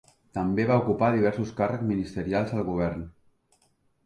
També va ocupar diversos càrrecs ministerials al govern.